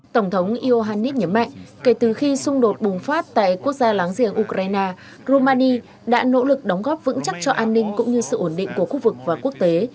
tổng thống iohanis nhớ mạnh kể từ khi xung đột bùng phát tại quốc gia láng giềng ukraine romani đã nỗ lực đóng góp vững chắc cho an ninh cũng như sự ổn định của khu vực và quốc tế